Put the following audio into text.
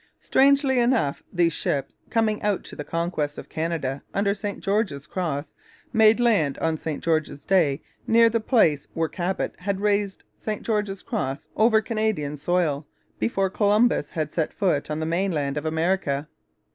Strangely enough, these ships coming out to the conquest of Canada under St George's cross made land on St George's Day near the place where Cabot had raised St George's cross over Canadian soil before Columbus had set foot on the mainland of America.